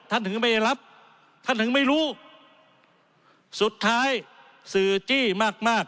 ถึงไม่ได้รับท่านถึงไม่รู้สุดท้ายสื่อจี้มากมาก